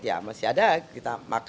ya masih ada